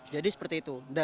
jadi seperti itu